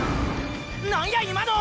何や今の！？